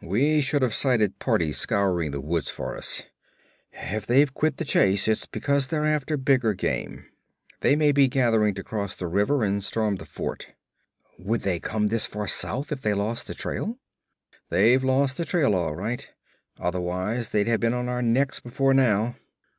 'We should have sighted parties scouring the woods for us. If they've quit the chase, it's because they're after bigger game. They may be gathering to cross the river and storm the fort.' 'Would they come this far south if they lost the trail?' 'They've lost the trail, all right; otherwise they'd have been on our necks before now.